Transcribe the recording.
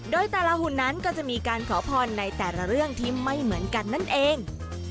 โดยแต่ละหุ่นนั้นก็จะมีการขอพรในแต่ละเรื่องที่ไม่เหมือนกันนั่นเอง